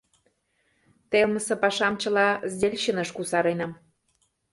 Телымсе пашам чыла сдельщиныш кусаренам.